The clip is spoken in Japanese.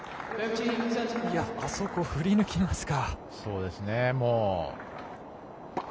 あそこ、振り抜きますか。